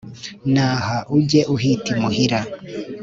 naha ujye uhita imuhira